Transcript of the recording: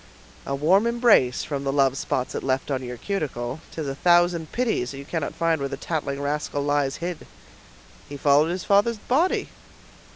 "A warm embrace, from the love spots it left on your cuticle; 'tis a thousand pities that you cannot find where the tattling rascal lies hid." "He followed his father's body."